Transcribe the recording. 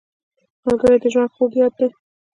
ملګری د ژوند خوږ یاد دی